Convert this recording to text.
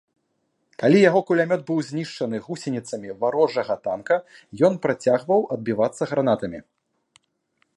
Калі яго кулямёт быў знішчаны гусеніцамі варожага танка, ён працягваў адбівацца гранатамі.